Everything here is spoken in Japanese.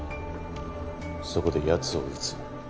そこで奴を撃つ。